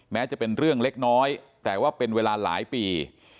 แม้จะเป็นเรื่องเล็กน้อยแต่ว่าเป็นเวลาหลายปี